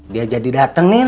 dia jadi dateng nien